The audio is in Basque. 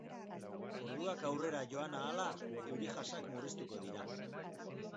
Orduak aurrera joan ahala, euri-jasak murriztuko dira.